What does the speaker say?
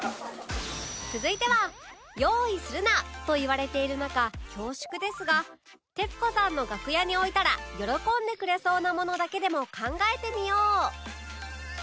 続いては「用意するな」と言われている中恐縮ですが徹子さんの楽屋に置いたら喜んでくれそうなものだけでも考えてみよう！